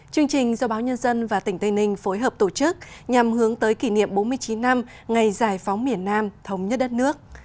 chương trình do báo nhân dân và tỉnh tây ninh phối hợp tổ chức nhằm hướng tới kỷ niệm bốn mươi chín năm ngày giải phóng miền nam thống nhất đất nước